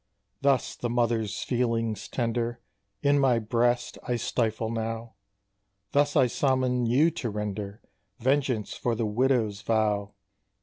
Thus the Mother's feelings tender In my breast I stifle now: Thus I summon you to render Vengeance for the Widow's vow!